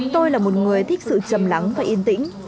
tôi là một người thích sự chầm lắng và yên tĩnh